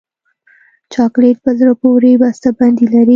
چاکلېټ په زړه پورې بسته بندي لري.